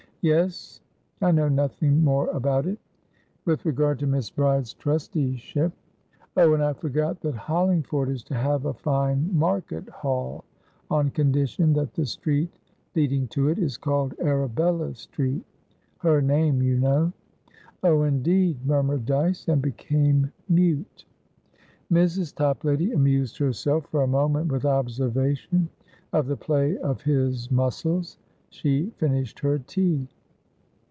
"Yes. I know nothing more about it. With regard to Miss Bride's trusteeship" "Oh, and I forgot that Hollingford is to have a fine market hall, on condition that the street leading to it is called Arabella Streether name, you know." "Oh, indeed!" murmured Dyce, and became mute. Mrs. Toplady amused herself for a moment with observation of the play of his muscles. She finished her tea.